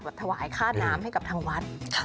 แต่ว่าถวายข้าน้ำช่วยงงชั้นทางวัด